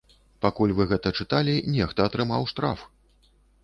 Пакуль вы гэта чыталі, нехта атрымаў штраф!